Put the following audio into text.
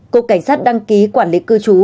cục cảnh sát đăng ký quản lý cư trú